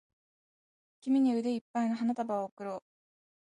君に腕いっぱいの花束を贈ろう